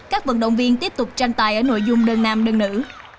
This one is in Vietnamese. các vận động viên tiếp tục tranh tài ở nội dung đơn nam đơn nữ